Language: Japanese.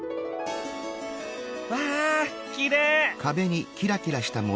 わあきれい！